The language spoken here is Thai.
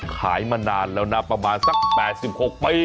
ขายมานานแล้วนะประมาณ๘๖ปี